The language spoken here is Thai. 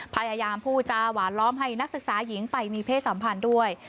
พยายามพูดจาหวานล้อมให้นักศึกษาหญิงไปมีเพศสัมพันธ์ด้วย